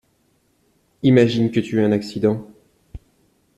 Imagine que tu aies un accident.